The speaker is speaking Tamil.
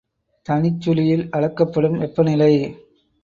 தனிச்சுழியில் அளக்கப்படும் வெப்பநிலை.